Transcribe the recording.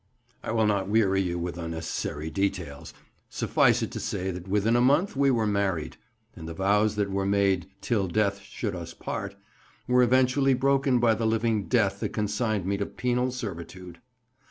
"I will not weary you with unnecessary details; suffice it to say that within a month we were married, and the vows that were made 'till death should us part' were eventually broken by the living death that consigned me to penal servitude.